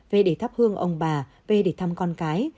về để thắp hương ông bà về để thăm con cái